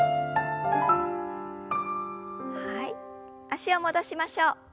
脚を戻しましょう。